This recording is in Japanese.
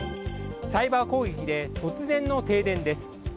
サイバー攻撃で突然の停電です。